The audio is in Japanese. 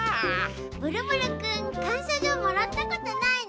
ブルブルくんかんしゃじょうもらったことないの？